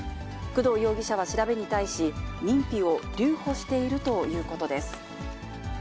工藤容疑者は調べに対し、認否を留保しているということです。